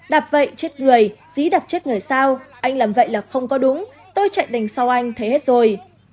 đạp vậy chết người dí đập chết người sao anh làm vậy là không có đúng tôi chạy đành sau anh thấy hết rồi